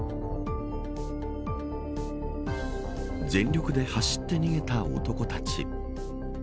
全力で走って逃げた男たち。